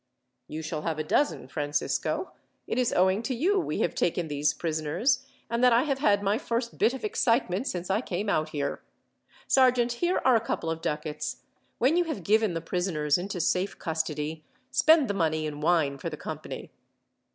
"You shall have a dozen, Francisco. It is owing to you we have taken these prisoners, and that I have had my first bit of excitement since I came out here. "Sergeant, here are a couple of ducats. When you have given the prisoners into safe custody, spend the money in wine for the company.